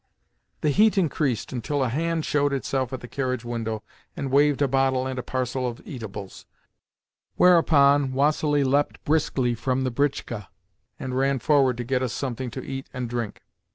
The heat increased until a hand showed itself at the carriage window, and waved a bottle and a parcel of eatables; whereupon Vassili leapt briskly from the britchka, and ran forward to get us something to eat and drink.